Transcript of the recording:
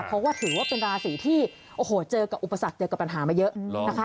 เพราะว่าถือว่าเป็นราศีที่โอ้โหเจอกับอุปสรรคเจอกับปัญหามาเยอะนะคะ